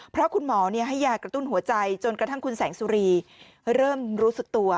เพราะคุณหมอให้ยากระตุ้นหัวใจจนกระทั่งคุณแสงสุรีเริ่มรู้สึกตัว